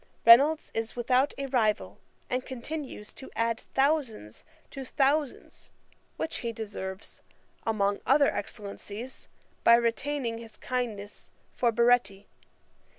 Reynolds is without a rival, and continues to add thousands to thousands, which he deserves, among other excellencies, by retaining his kindness for Baretti.